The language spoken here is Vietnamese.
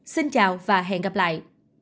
xin chào và hẹn gặp lại